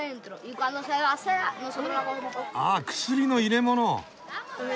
あ薬の入れ物！